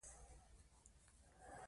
پخوسپین ږیرو ډاډ ورکاوه.